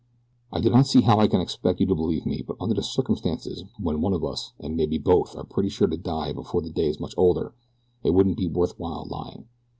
I do not see how I can expect you to believe me; but under the circumstances, when one of us and maybe both are pretty sure to die before the day is much older, it wouldn't be worth while lying.